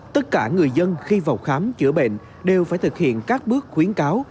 tất cả người dân khi vào khám chữa bệnh đều phải thực hiện các bước khuyến cáo